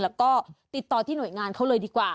แล้วก็ติดต่อที่หน่วยงานเขาเลยดีกว่า